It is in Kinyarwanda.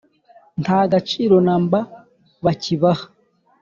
Nta gaciro na mba bakibaha !